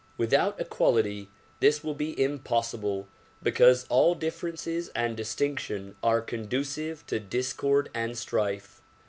Without equality this will be im possible because all difi'erences and distinction are conducive to discord and strife.